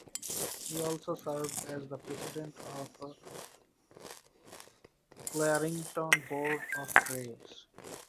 He also served as the President of the Clarington Board of Trade.